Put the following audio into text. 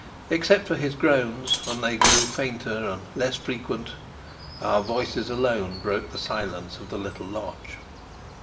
Except for his groans and they grew fainter and less frequent our voices alone broke the silence of the little lodge.